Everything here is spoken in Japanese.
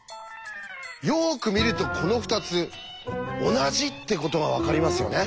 よく見るとこの２つ同じってことが分かりますよね。